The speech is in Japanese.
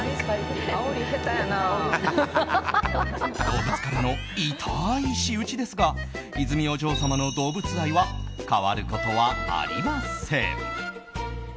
動物からの痛い仕打ちですが泉お嬢様の動物愛は変わることはありません。